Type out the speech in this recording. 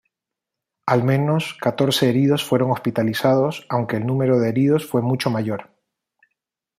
Al menos catorce heridos fueron hospitalizados aunque el número de heridos fue mucho mayor.